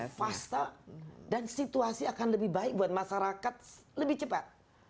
ada fasta dan situasi akan lebih baik buat masyarakat lebih cepat